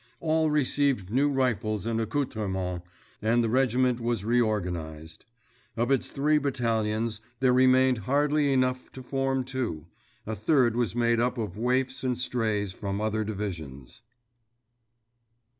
All received new rifles and accoutrements, and the regiment was reorganized. Of its three battalions there remained hardly enough to form two—a third was made up of waifs and strays from other divisions.